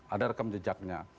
ada rekam jejaknya